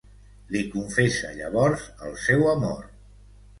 Li confessa llavors el seu amor.